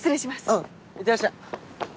うんいってらっしゃい。